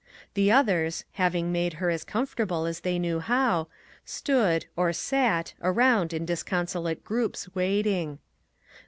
The others, having made her as comfortable as they knew how, stood, or sat, around in disconsolate groups waiting.